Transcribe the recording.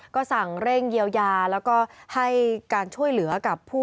ก็สั่งเร่งเยียวยาแล้วก็ให้การช่วยเหลือกับผู้